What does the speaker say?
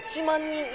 １万人？